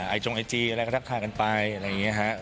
จงไอจีอะไรก็ทักทายกันไปอะไรอย่างนี้ครับ